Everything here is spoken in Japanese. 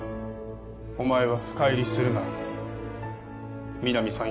お前は深入りするな皆実さん